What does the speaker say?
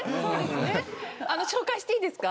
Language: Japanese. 紹介していいですか。